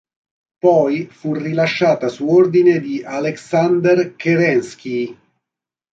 Poi fu rilasciata su ordine di Aleksander Kerenskij.